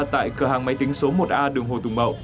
tại cửa hàng máy tính số một a đường hồ tùng mậu